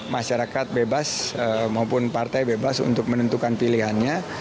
masyarakat bebas maupun partai bebas untuk menentukan pilihannya